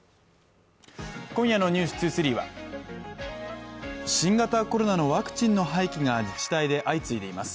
今夜の「ｎｅｗｓ２３」は新型コロナのワクチンの廃棄が自治体で相次いでいます。